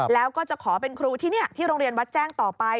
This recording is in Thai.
แล้วก็จะขอเป็นครูที่นี่ที่โรงเรียนวัดแจ้งต่อไป